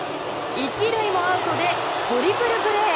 １塁もアウトでトリプルプレー！